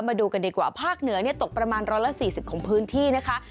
มาดูกันดีกว่าภาคเหนือเนี่ยตกประมาณร้อยละสี่สิบของพื้นที่นะคะ